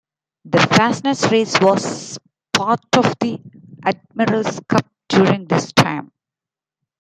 The Fastnet race was part of the Admiral's Cup during this time.